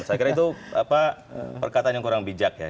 saya kira itu perkataan yang kurang bijak ya